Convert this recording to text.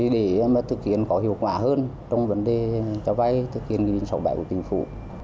để thực hiện có hiệu quả hơn trong vấn đề cáo vay thực hiện nghị định sáu bảy của tỉnh phủ